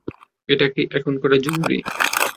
এটা কি এখন করা জরুরি?